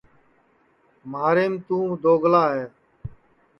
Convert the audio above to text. مھاریم ندیم دوگلا ہے